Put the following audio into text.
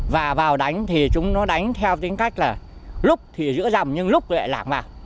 và vào đánh thì chúng nó đánh theo tính cách là lúc thì giữa dầm nhưng lúc lại lạc vào